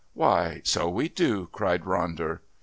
"Why, so we do," cried Ronder.